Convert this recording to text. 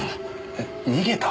え逃げた？